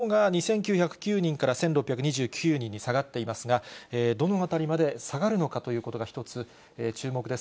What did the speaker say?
きょうは、きのうが２９０９人から１６２９人に下がっていますが、どのあたりまで下がるのかということが一つ、注目です。